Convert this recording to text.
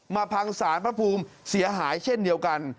พังสารพระภูมิเสียหายเช่นเดียวกัน